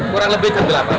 kurang lebih jam delapan